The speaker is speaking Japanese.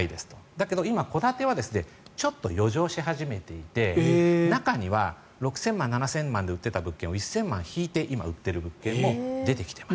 だけど今、戸建てはちょっと余剰し始めていて中には６０００万７０００万円で売っていた物件を１０００万引いて今売っている物件も出てきています。